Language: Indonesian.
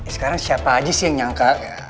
sekarang siapa aja sih yang nyangka